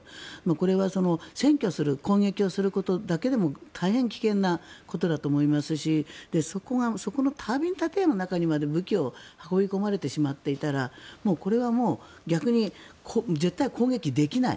これは、占拠する攻撃をすることだけでも大変危険なことだと思いますしそこのタービン建屋の中にまで武器を運び込まれてしまっていたらこれはもう、逆に絶対攻撃できない。